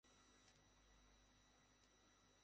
আমাকে check in করতে হবে।